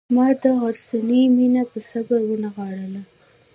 ما د غرڅنۍ مینه په صبر ونغاړله.